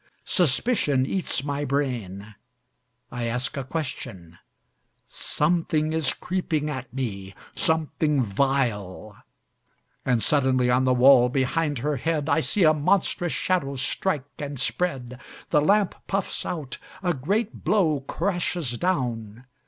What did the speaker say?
Suspicion eats my brain; I ask a question; Something is creeping at me, something vile; And suddenly on the wall behind her head I see a monstrous shadow strike and spread, The lamp puffs out, a great blow crashes down.